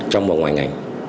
trong và ngoài ngành